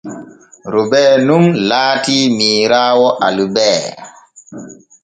Robee nun laatii miiraawo Alibee.